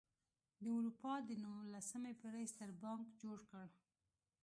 د اروپا د نولسمې پېړۍ ستر بانک جوړ کړ.